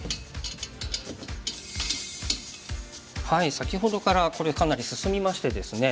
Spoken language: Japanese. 先ほどからこれかなり進みましてですね